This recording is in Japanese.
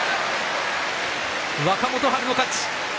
若元春の勝ち。